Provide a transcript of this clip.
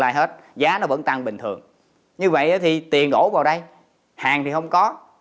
lai hết giá nó vẫn tăng bình thường như vậy thì tiền đổ vào đây hàng thì không có